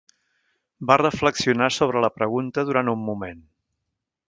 Va reflexionar sobre la pregunta durant un moment.